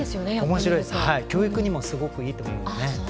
教育にもすごくいいと思います。